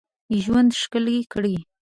ژوند ښکلی کړی.